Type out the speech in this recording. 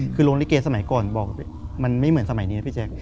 คือโรงลิเกสมัยก่อนบอกมันไม่เหมือนสมัยนี้พี่แจ๊ค